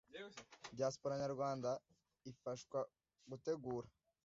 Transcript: diaspora nyarwanda ifashwa gutegura